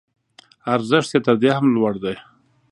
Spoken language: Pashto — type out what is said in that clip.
ارزښت یې تر دې هم لوړ دی.